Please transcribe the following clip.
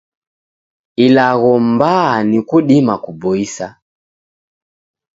Ilagho mbaa ni kudima kuboisa